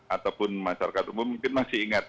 ataupun masyarakat umum mungkin masih ingat